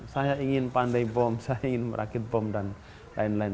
saya ingin pandai bom saya ingin merakit bom dan lain lain